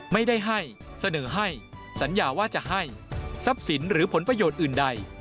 ไม่ได้ให้เสนอให้สัญญาว่าจะให้ทรัพย์สินหรือผลประโยชน์อื่นใด